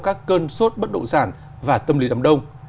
các cơn sốt bất động sản và tâm lý đám đông